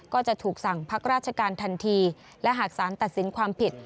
ก็จะถูกสั่งพักราชการทันทีและหากสารตัดสินความผิด